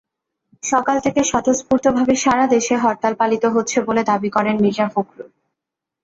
সকাল থেকে স্বতঃস্ফূর্তভাবে সারা দেশে হরতাল পালিত হচ্ছে বলে দাবি করেন মির্জা ফখরুল।